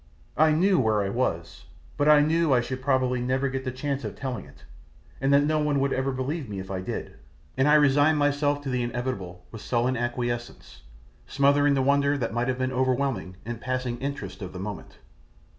I knew I was where I was, but I knew I should probably never get the chance of telling of it, and that no one would ever believe me if I did, and I resigned myself to the inevitable with sullen acquiescence, smothering the wonder that might have been overwhelming in passing interests of the moment.